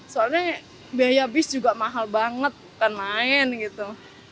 soalnya biaya bis juga mahal banget bukan main gitu